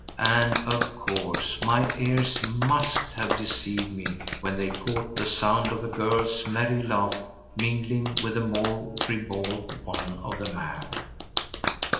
And, of course, my ears must have deceived me when they caught the sound of a girl's merry laugh mingling with the more ribald one of the man.